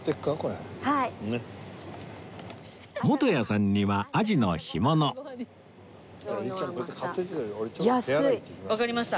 元彌さんにはアジの干物わかりました。